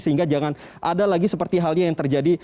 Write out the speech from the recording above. sehingga jangan ada lagi seperti halnya yang terjadi